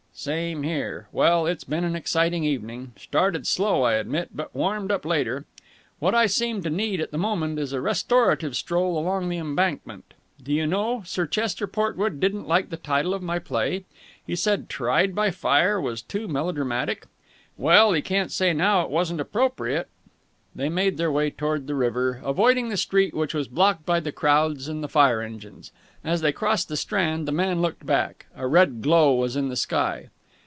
"Same here. Well, it's been an exciting evening. Started slow, I admit, but warmed up later! What I seem to need at the moment is a restorative stroll along the Embankment. Do you know, Sir Chester Portwood didn't like the title of my play. He said 'Tried by Fire' was too melodramatic. Well, he can't say now it wasn't appropriate." They made their way towards the river, avoiding the street which was blocked by the crowds and the fire engines. As they crossed the Strand, the man looked back. A red glow was in the sky.